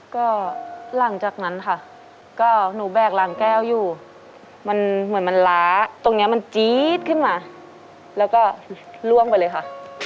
ก็หลังจากนั้นค่ะก็หนูแบกรางแก้วอยู่มันเหมือนมันล้าตรงนี้มันจี๊ดขึ้นมาแล้วก็ล่วงไปเลยค่ะ